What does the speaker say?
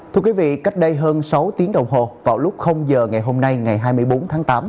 thưa quý vị cách đây hơn sáu tiếng đồng hồ vào lúc giờ ngày hôm nay ngày hai mươi bốn tháng tám